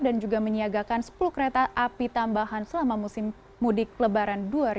dan juga menyiagakan sepuluh kereta api tambahan selama musim mudik lebaran dua ribu sembilan belas